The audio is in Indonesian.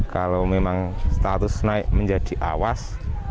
kalau memang status naik menjadi awas